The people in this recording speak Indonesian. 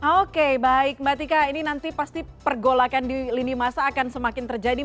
oke baik mbak tika ini nanti pasti pergolakan di lini masa akan semakin terjadi